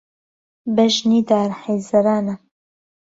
بهژنی دار حهیزهرانه